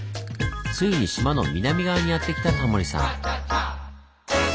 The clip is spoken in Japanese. ついに島の南側にやって来たタモリさん。